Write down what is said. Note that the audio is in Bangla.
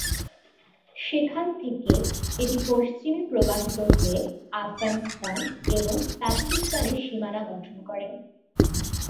সেখান থেকে, এটি পশ্চিমে প্রবাহিত হয়ে আফগানিস্তান এবং তাজিকিস্তানের সীমানা গঠন করে।